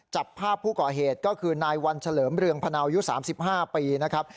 จับภาพผู้ก่อเหตุก็คือนายวันเฉลิมเรืองพนาวยุ๓๕ปีนะครับ